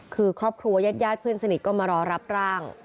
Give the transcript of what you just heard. คือครอบครัวยาดเพื่อนสนิทก็มารอรับร่าง